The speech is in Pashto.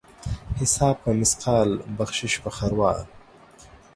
حساب په مثقال ، بخشش په خروار.